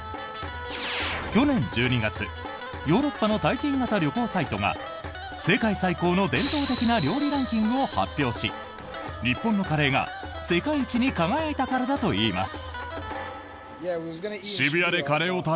去年１２月ヨーロッパの体験型旅行サイトが世界最高の伝統的な料理ランキングを発表し日本のカレーが世界一に輝いたからだといいます。